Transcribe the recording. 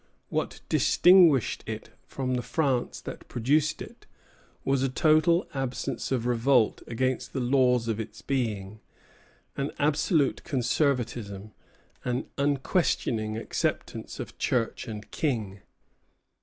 What distinguished it from the France that produced it was a total absence of revolt against the laws of its being, an absolute conservatism, an unquestioning acceptance of Church and King.